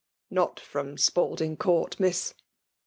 " Not from Spalding Court, Miss."